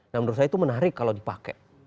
nah menurut saya itu menarik kalau dipakai